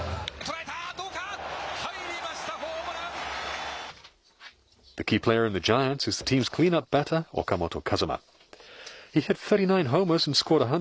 入りました、ホームラン。